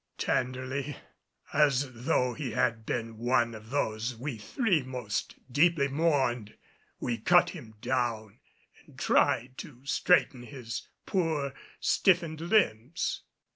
_" Tenderly, as though he had been one of those we three most deeply mourned, we cut him down and tried to straighten his poor stiffened limbs.